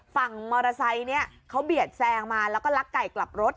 ฝั่งมอเตอร์ไซค์เนี่ยเขาเบียดแซงมาแล้วก็ลักไก่กลับรถ